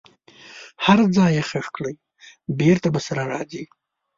هر ځای یې ښخ کړئ بیرته به سره راځي.